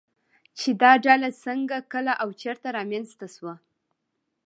چې دا ډله څنگه، کله او چېرته رامنځته شوه